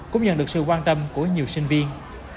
cũng nhận được sự quan tâm của nhiều sinh viên